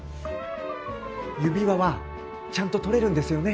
指輪はちゃんと取れるんですよね？